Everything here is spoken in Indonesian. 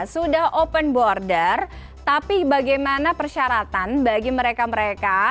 sudah open border tapi bagaimana persyaratan bagi mereka mereka